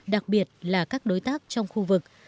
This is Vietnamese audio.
đặc biệt là các đối tác trong khu vực